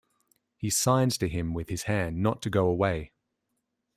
He signs to him with his hand not to go away.